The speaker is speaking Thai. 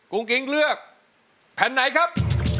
โกงกลิ้งเลือกแผ่นไหนครับ